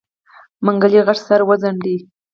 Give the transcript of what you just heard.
منګلي غټ سر وڅنډه.